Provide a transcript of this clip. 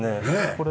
これ。